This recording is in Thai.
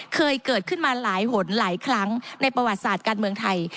เคยเกิดขึ้นมาหลายหนหลายครั้งในประวัติศาสตร์การเมืองไทย